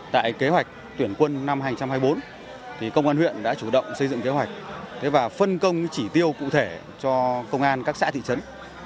tại kế hoạch tuyển quân năm hai nghìn hai mươi bốn công an huyện đã chủ động xây dựng kế hoạch và phân công chỉ tiêu cụ thể cho công an các xã thị trấn